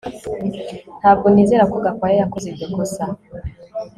Ntabwo nizera ko Gakwaya yakoze iryo kosa